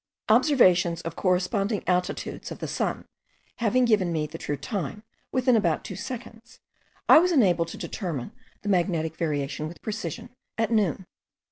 Observations of corresponding altitudes of the sun having given me the true time, within about 2 seconds, I was enabled to determine the magnetic variation with precision, at noon.